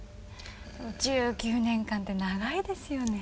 １９年間って長いですよね。